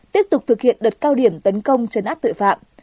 tiếp tục thực hiện đợt cao điểm tấn công chấn áp tội phạm